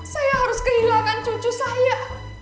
saya harus kehilangan cucu saya